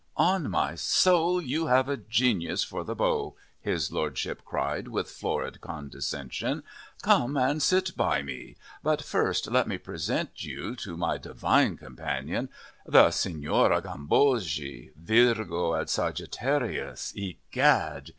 "On my soul, you have a genius for the bow," his Lordship cried with florid condescension. "Come and sit by me; but first let me present you to my divine companion the Signora Gambogi Virgo and Sagittarius, egad!